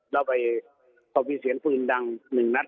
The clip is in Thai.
แล้วไปพอมีเสียงปืนดังหนึ่งนัด